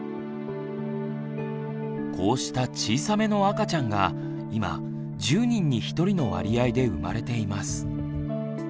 こうした「小さめの赤ちゃん」が今１０人に１人の割合で生まれています。